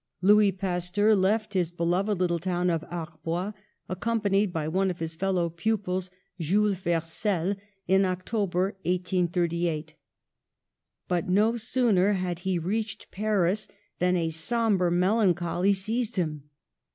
Louis Pasteur left his beloved little town of Arbois accompanied by one of his fellow pupils, Jules Vercel, in October, 1838. But no sooner had he reached Paris than a sombre melancholy seized him.